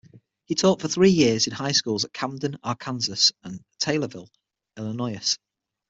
He taught for three years in high schools at Camden, Arkansas, and Taylorville, Illinois.